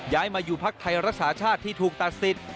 ย้ายมาอยู่พักไทยรักษาชาติที่ถูกตัดสิทธิ์